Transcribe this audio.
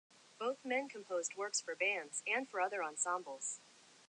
Both men composed works for bands, and for other ensembles.